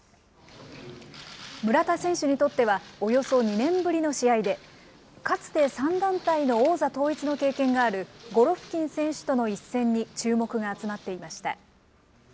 村田選手にとってはおよそ２年ぶりの試合で、かつて３団体の王座統一の経験があるゴロフキン選手との一戦に注目が集まっていました。